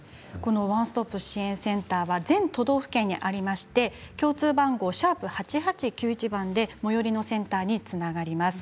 ワンストップ支援センターは全都道府県にありまして共通番号、＃８８９１で最寄りのセンターにつながります。